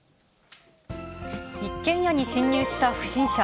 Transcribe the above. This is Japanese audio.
一軒家に侵入した不審者。